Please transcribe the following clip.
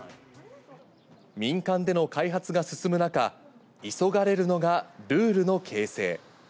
民間での開発が進む中、急がれるのが、ルールの形成。